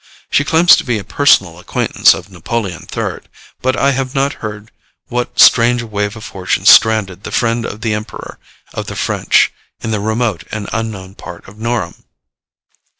She claims to be a personal acquaintance of Napoleon III; but I have not heard what strange wave of fortune stranded the friend of the Emperor of the French in the remote and unknown port of Norham.